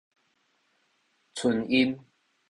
春陰